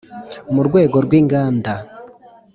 Mu rwego rw inganda